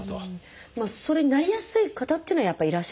それになりやすい方っていうのはやっぱりいらっしゃるんですか？